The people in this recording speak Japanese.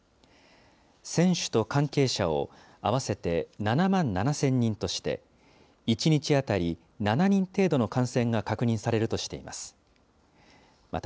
選手と関係者を合わせて７万７０００人として、１日当たり７人程度の感染が確認されるとしています。